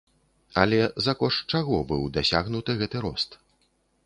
Але за кошт чаго быў дасягнуты гэты рост?